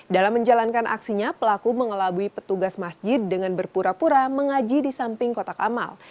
dalam menjalankan aksinya pelaku mengelabui petugas masjid dengan berpura pura mengaji di samping kotak amal